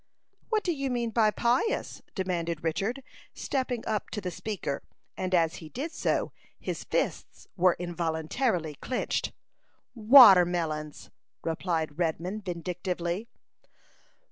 "What do you mean by pious?" demanded Richard, stepping up to the speaker; and as he did so, his fists were involuntarily clinched. "Watermelons!" replied Redman, vindictively.